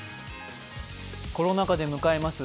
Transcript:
コロナ禍で迎えます